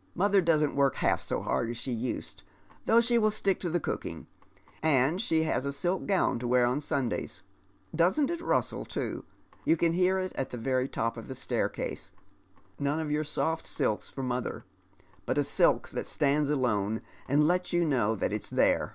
" Mother doesn't work half so hard as sho used, though she will stick to the cooking ; and she has a silk gown to wear on Sundays, — doesn't it rustle too ! you can hear it at the very top of the staircase, — none of your soft silks for mother, but a silk that stands alone and lets you know that it's tiiere.